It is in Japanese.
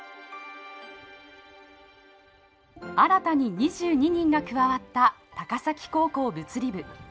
新たに２２人が加わった高崎高校物理部。